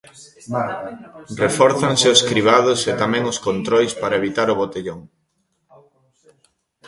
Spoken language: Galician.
Refórzanse os cribados e tamén os controis para evitar o botellón.